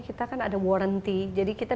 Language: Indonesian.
kita kan ada warranty jadi kita